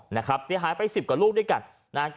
เสียหายไป๑๐กว่าลูกด้วยกัน